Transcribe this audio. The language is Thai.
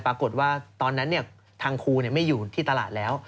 ปรากฏว่าตอนนั้นเนี่ยทางครูไม่อยู่ที่ตลาดแล้ว